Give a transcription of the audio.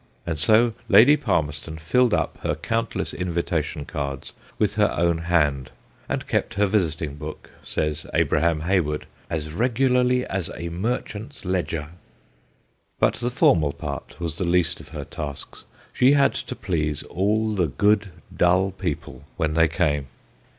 And so Lady Palmerston filled up her countless invitation cards with her own hand, and kept her visiting book, says Abraham Hay ward, 'as regularly as a merchant's ledger.' But the formal part was the least of her tasks : she had to please all the good, dull people when they came.